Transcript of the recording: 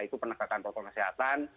itu penegakan protokol kesehatan